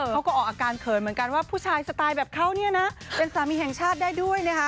เขาก็ออกอาการเขินเหมือนกันว่าผู้ชายสไตล์แบบเขาเนี่ยนะเป็นสามีแห่งชาติได้ด้วยนะคะ